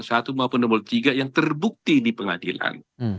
tapi kita bisa melihat ada bukti di pengadilan